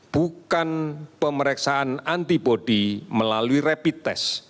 bukan pemeriksaan antibody melalui rapid test